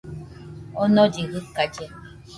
Onollɨ jɨkallena